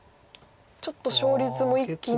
ちょっと勝率も一気に。